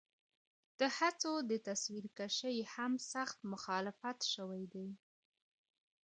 د هڅو د تصويرکشۍ هم سخت مخالفت شوے دے